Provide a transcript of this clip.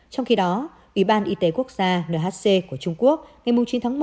trong khi đó ủy ban y tế quốc gia nhc của trung quốc ngày chín tháng một